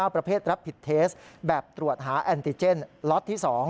ประเภทรับผิดเทสแบบตรวจหาแอนติเจนล็อตที่๒